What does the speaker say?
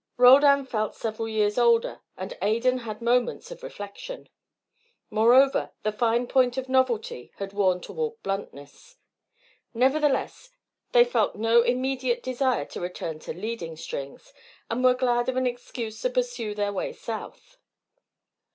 Roldan felt several years older, and Adan had moments of reflection. Moreover, the fine point of novelty had worn toward bluntness. Nevertheless, they felt no immediate desire to return to leading strings, and were glad of an excuse to pursue their way south.